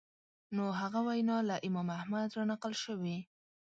نو هغه وینا له امام احمد رانقل شوې